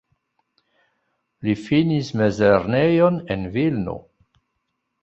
Li finis mezlernejon en Vilno.